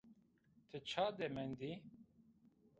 Ti ça de mendî?